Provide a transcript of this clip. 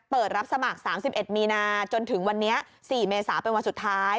เปิดรับสมัครสามสิบเอ็ดมีนาจนถึงวันนี้สี่เมษาเป็นวันสุดท้าย